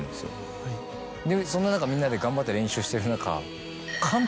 でそんな中みんなで頑張って練習してる中。